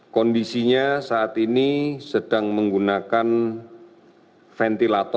kondisinya saat ini sedang menggunakan ventilator